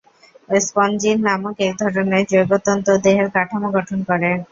Spongin নামক এক ধরনের জৈবতন্তু দেহের কাঠামো গঠন করে।